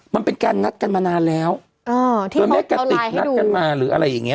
มันเป็นการนัดกันมานานแล้วโดยแม่กะติกนัดกันมาหรืออะไรอย่างเงี้